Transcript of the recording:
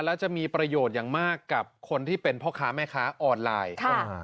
แล้วจะมีประโยชน์อย่างมากกับคนที่เป็นพ่อค้าแม่ค้าออนไลน์